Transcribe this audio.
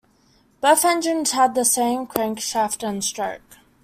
Both engines had the same crankshaft and stroke.